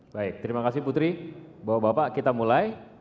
baik terima kasih putri bapak bapak kita mulai